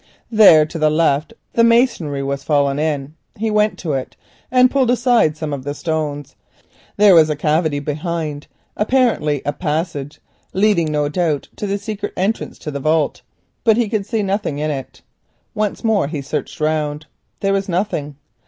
There to the left the masonry had fallen in. He went to it and pulled aside some of the stones. There was a cavity behind, apparently a passage, leading no doubt to the secret entrance to the vault, but he could see nothing in it. Once more he searched. There was nothing.